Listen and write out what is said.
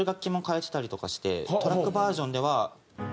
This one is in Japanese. トラックバージョンでは。